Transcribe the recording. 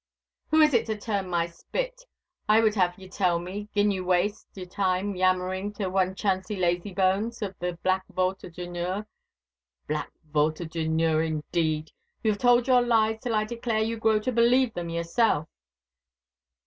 Who is to turn my spit, I would have you tell me, gin you waste your time yammering to wanchancy lazybones of the Black Vaut of Dunure? "Black Vaut of Dunure" indeed! You have told your lies till I declare you grow to believe them yourself!